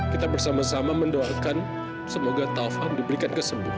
kita bersama sama mendoakan semoga taufan diberikan kesembuhan